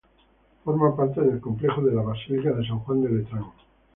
Forma parte del complejo de la basílica de San Juan de Letrán.